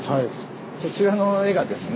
こちらの絵がですね